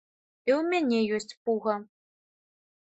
І ў мяне ёсць пуга!